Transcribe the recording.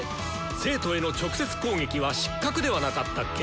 生徒への直接攻撃は失格ではなかったっけ？